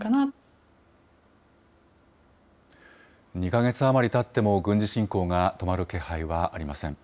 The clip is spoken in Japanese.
２か月余りたっても、軍事侵攻が止まる気配はありません。